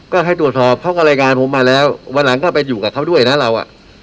ก็ให้ตรวจสอบเขาก็รายการผมมาแล้ววันหลังก็ไปอยู่กับเขาด้วยนะเราอ่ะ